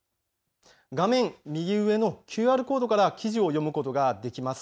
画面右上のＱＲコードから記事を読むことができます。